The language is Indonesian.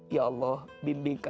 ya allah bimbing kami agama kita